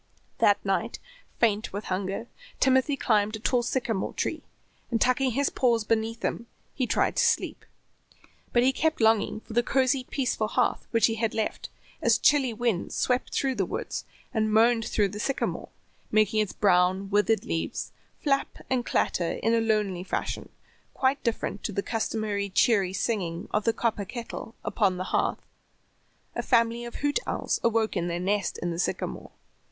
That night, faint with hunger, Timothy climbed a tall sycamore tree and tucking his paws beneath him tried to sleep. But he kept longing for the cozy, peaceful hearth which he had left, as chilly winds swept through the woods and moaned through the sycamore, making its brown, withered leaves flap and clatter in a lonely fashion, quite different to the customary cheery singing of the copper kettle upon the hearth. A family of hoot owls awoke in their nest in the sycamore.